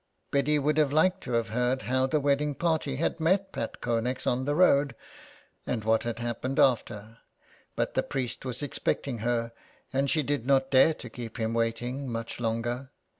'' Biddy would have liked to have heard how the wedding party had met Pat Connex on the road, and what had happened after, but the priest was expecting her, and she did not dare to keep him waiting much longer.